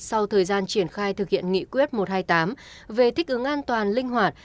sau thời gian triển khai thực hiện nghị quyết một trăm hai mươi tám về thích ứng an toàn linh hoạt